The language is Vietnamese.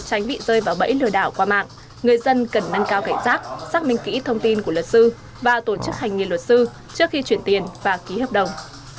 nếu bị rơi vào bẫy lừa đảo qua mạng người dân cần nâng cao cảnh giác xác minh kỹ thông tin của luật sư và tổ chức hành nghề luật sư trước khi chuyển tiền và ký hợp đồng